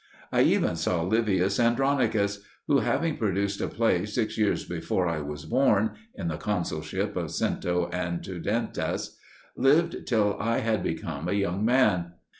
I even saw Livius Andronicus, who, having produced a play six years before I was born in the consulship of Cento and Tuditanus lived till I had become a young man.